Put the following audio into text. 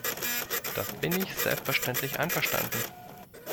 Da bin ich selbstverständlich einverstanden.